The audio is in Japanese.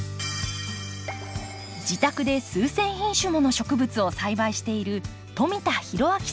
自宅で数千品種もの植物を栽培している富田裕明さん。